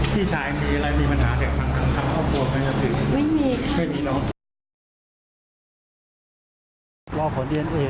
ดีเอนเออย่างเป็นทางการก่อนจะได้ชัดเจนไปอืมว่านี่คือรถของนางสาวกรรณิการก่อนจะได้ชัดเจนไป